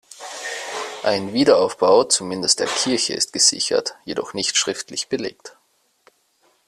Ein Wiederaufbau zumindest der Kirche ist gesichert, jedoch nicht schriftlich belegt.